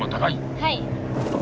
はい。